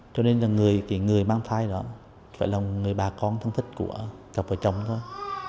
cho nên là người mang thai đó phải là người bà con thân thích của cặp vợ chồng thôi